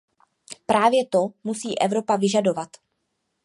Právě to musí Evropa vyžadovat.